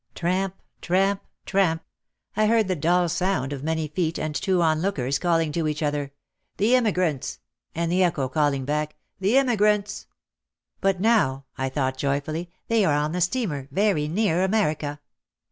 "Tramp, tramp, tramp," I heard the dull sound of many feet and two onlookers calling to each other, "The Emigrants!" and the echo calling back, "The Emigrants!" "But now," I thought joyfully, "they are on the steamer, very near America.